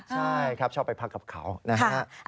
ใช่ครับชอบไปพักกับเขานะฮะ